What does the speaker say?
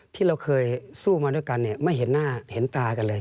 ที่เราเคยสู้มาด้วยกันไม่เห็นหน้าเห็นตากันเลย